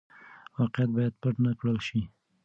واقعيت بايد پټ نه کړل شي.